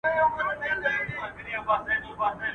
تر خيښ، ځان را پېش.